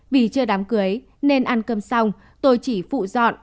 vì chưa đám cưới nên ăn cơm xong tôi chỉ phụ dọn